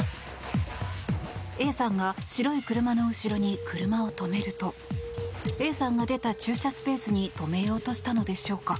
Ａさんが白い車の後ろに車を止めるとＡさんが出た駐車スペースに止めようとしたのでしょうか。